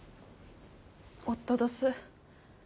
夫どす。